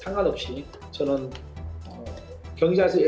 dan saya juga bisa memperbaiki kemahiran saya